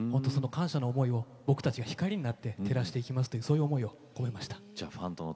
感謝の思いを僕たちが光になって照らしていくという思いを込めて作りました。